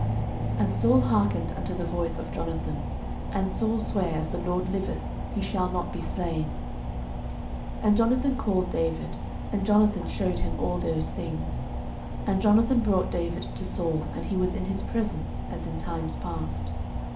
09:019:006 And Saul hearkened unto the voice of Jonathan: and Saul sware, As the LORD liveth, he shall not be slain. 09:019:007 And Jonathan called David, and Jonathan shewed him all those things. And Jonathan brought David to Saul, and he was in his presence, as in times past.